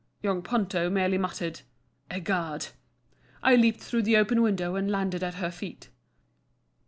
Young Ponto merely muttered, "Egad!" I leaped through the open window and landed at her feet.